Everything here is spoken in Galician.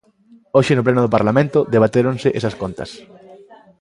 Hoxe no pleno do Parlamento debatéronse esas contas.